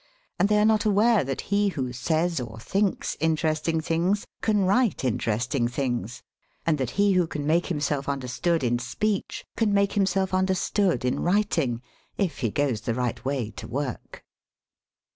— and they are not aware that he who 8ay8 or thinks interesting things can write in teresting things, and that he who can make him self understood in speech can make himself under stood in writing — ^if he goes the right way to work